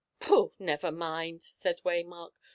"Pooh, never mind," said Waymark.